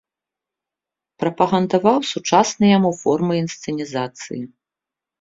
Прапагандаваў сучасныя яму формы інсцэнізацыі.